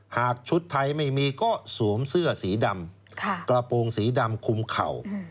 หากชุดไทยไม่มีก็สวมเสื้อสีดำกระโปรงสีดำคุมเข่า